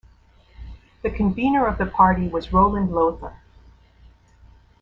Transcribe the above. The convenor of the party was Roland Lotha.